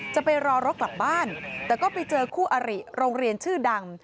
จะไปรอรถกลับบ้านแต่ก็ไปเจอคู่อริโรงเรียนชื่อดัง